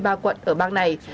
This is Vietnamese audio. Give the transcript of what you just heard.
bắt đầu chuẩn bị các nguồn lực